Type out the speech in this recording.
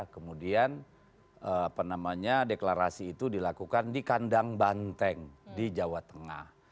kemudian deklarasi itu dilakukan di kandang banteng di jawa tengah